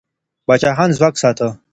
پاچاهان ځواک ساته.